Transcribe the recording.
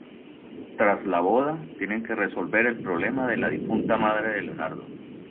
Tras la boda, tienen que resolver el problema de la difunta madre de Leonardo.